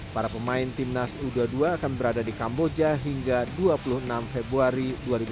para pemain timnas u dua puluh dua akan berada di kamboja hingga dua puluh enam februari dua ribu dua puluh